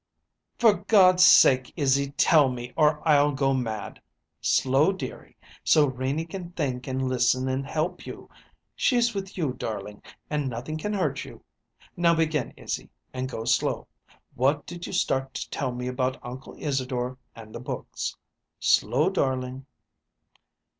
"For God's sake, Izzy, tell me or I'll go mad! Slow, dearie, so Renie can think and listen and help you. She's with you, darling, and nothing can hurt you. Now begin, Izzy, and go slow. What did you start to tell me about Uncle Isadore and the books? Slow, darling."